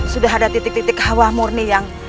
sudah ada titik titik hawa murni yang